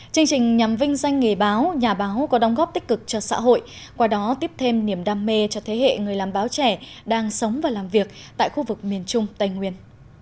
chương trình nhằm vinh danh nghề báo nhà báo có đóng góp tích cực cho xã hội qua đó tiếp thêm niềm đam mê cho thế hệ người làm báo trẻ đang sống và làm việc tại khu vực miền trung tây nguyên